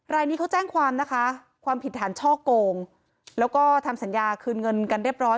รายนี้เขาแจ้งความนะคะความผิดฐานช่อโกงแล้วก็ทำสัญญาคืนเงินกันเรียบร้อย